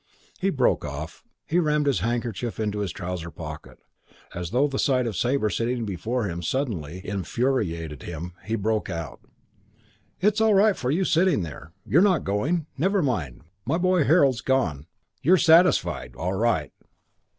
He broke off. He rammed his handkerchief into his trouser pocket. As though the sight of Sabre sitting before him suddenly infuriated him he broke out, "It's all right for you sitting there. You're not going. Never mind. My boy Harold's gone. You're satisfied. All right."